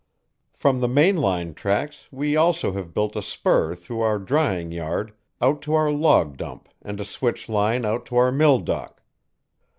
From the main line tracks we also have built a spur through our drying yard out to our log dump and a switch line out on to our milldock.